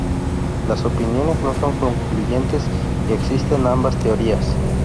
Las opiniones no son concluyentes y existen ambas teorías.